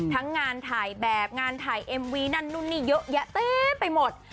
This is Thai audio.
ทั้งงานถ่ายแบบงานถ่ายเอ็มวีนั่นนู่นนี่เยอะแยะเต็มไปหมด